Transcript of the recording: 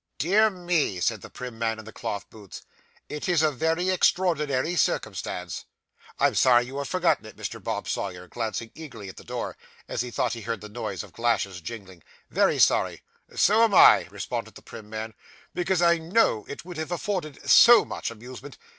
'Dear me,' said the prim man in the cloth boots, 'it is a very extraordinary circumstance.' 'I am sorry you have forgotten it,' said Mr. Bob Sawyer, glancing eagerly at the door, as he thought he heard the noise of glasses jingling; 'very sorry.' 'So am I,' responded the prim man, 'because I know it would have afforded so much amusement.